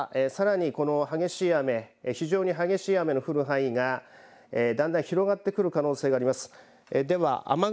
だんだんこのあとはさらにこの激しい雨非常に激しい雨の降る範囲がだんだん広がってくる可能性があります。